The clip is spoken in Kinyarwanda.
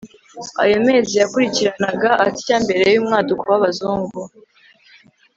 ayo mezi yakurikiranaga atya mbere y'umwaduko w'abazungu